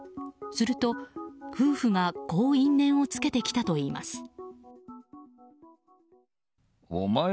すると夫婦がこう因縁をつけてきたといいます。